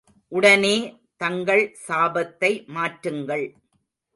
உடனே தங்கள் சாபத்தை மாற்றுங்கள்.